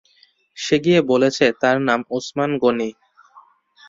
সে গিয়ে বলেছে তার নাম ওসমান গনি।